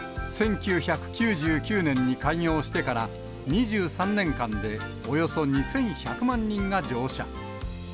１９９９年に開業してから、２３年間でおよそ２１００万人が乗車。